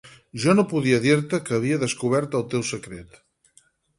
Jo no podia dir-te que havia descobert el teu secret.